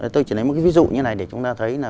tôi chỉ lấy một cái ví dụ như này để chúng ta thấy là